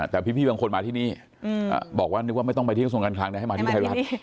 แต่พี่บางคนมาที่นี่บอกว่านึกว่าไม่ต้องไปที่กระทรวงการคลังนะให้มาที่ไทยรัฐ